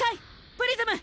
プリズム！